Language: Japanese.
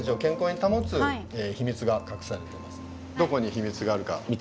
どこに秘密があるか見て頂けたらと。